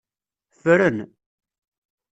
Ffren.